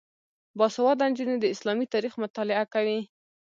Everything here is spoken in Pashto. باسواده نجونې د اسلامي تاریخ مطالعه کوي.